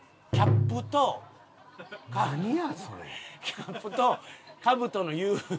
キャップとカブトの融合。